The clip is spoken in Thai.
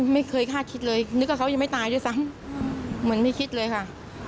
ไม่เคยคาดคิดเลยนึกว่าเขายังไม่ตายด้วยซ้ำเหมือนไม่คิดเลยค่ะ